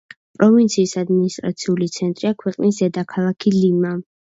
პროვინციის ადმინისტრაციული ცენტრია ქვეყნის დედაქალაქი ლიმა.